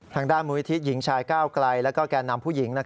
มูลนิธิหญิงชายก้าวไกลและแก่นำผู้หญิง